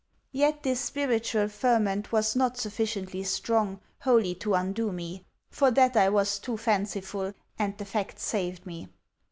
Yet this spiritual ferment was not sufficiently strong wholly to undo me. For that I was too fanciful, and the fact saved me.